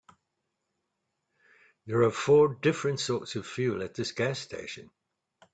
There are four different sorts of fuel at this gas station.